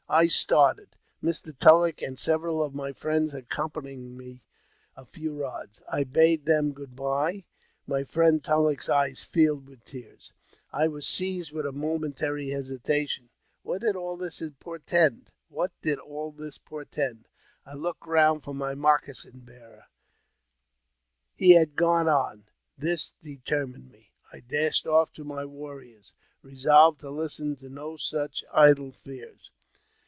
I started, Mr. Tulleck and several of my friends accompanying me a few rods. I bade ihem good bye : my friend TuUeck's eyes filled with tears. I ^as seized with momentary hesitation : what did all this )ortend? I looked round for my moccasin bearer; he had 17 258 AUTOBIOGBAFHY OF gone on : this determined me ; I dashed off to my warrior resolved to listen to no such idle fears.